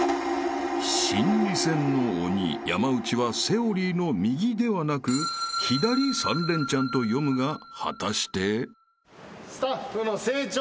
［心理戦の鬼山内はセオリーの右ではなく左３レンチャンと読むが果たして］